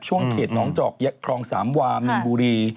เขตน้องจอกครองสามวามีนบุรี